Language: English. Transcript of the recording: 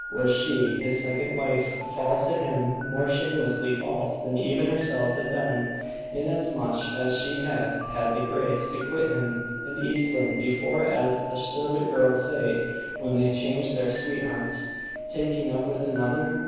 Was she, his second wife, false to him more shamelessly false than even herself had been, inasmuch as she had had the grace to quit him and East Lynne before as the servant girls say, when they change their sweethearts "taking up" with another?